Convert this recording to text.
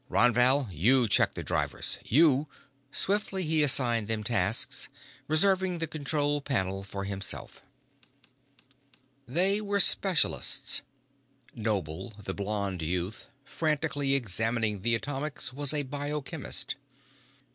"Ron Val, you check the drivers. You " Swiftly he assigned them tasks, reserving the control panel for himself. They were specialists. Noble, the blond youth, frantically examining the atomics, was a bio chemist.